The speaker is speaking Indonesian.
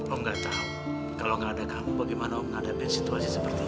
om gak tahu kalau gak ada kamu bagaimana om ngadepin situasi seperti ini